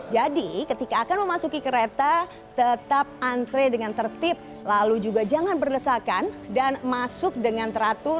jadi ketika akan memasuki kereta tetap antre dengan tertib lalu juga jangan berdesakan dan masuk dengan teratur